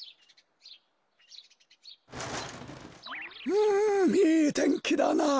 うんいいてんきだなあ。